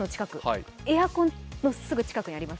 エアコンのすぐ近くにあります？